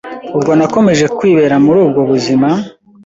ubwo nakomeje kwibera muri ubwo buzima,